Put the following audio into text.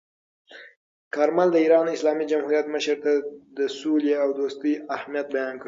کارمل د ایران اسلامي جمهوریت مشر ته د سولې او دوستۍ اهمیت بیان کړ.